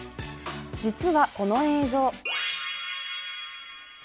実はこの映像。